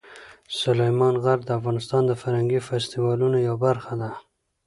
سلیمان غر د افغانستان د فرهنګي فستیوالونو یوه برخه ده.